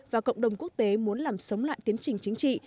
và cộng đồng quốc tế muốn làm sống lại tiến trình chính trị